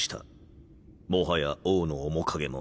もはや王の面影もなく。